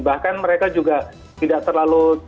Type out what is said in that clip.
bahkan mereka juga tidak terlalu